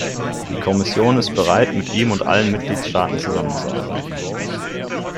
Die Kommission ist bereit, mit ihm und allen Mitgliedstaaten zusammenzuarbeiten.